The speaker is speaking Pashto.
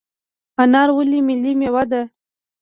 انار ولې ملي میوه ده؟